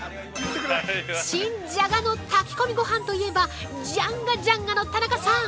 ◆新じゃがの炊き込みごはんといえば、ジャンガジャンガの田中さん。